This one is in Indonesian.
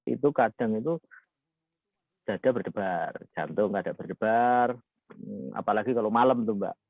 itu kadang itu dada berdebar jantung keadaan berdebar apalagi kalau malam tuh mbak